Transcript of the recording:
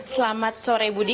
selamat sore budi